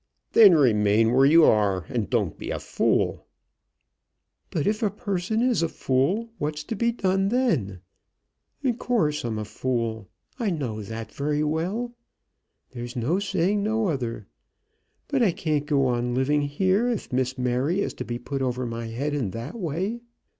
"Then remain where you are, and don't be a fool." "But if a person is a fool, what's to be done then? In course I'm a fool. I knows that very well. There's no saying no other. But I can't go on living here, if Miss Mary is to be put over my head in that way.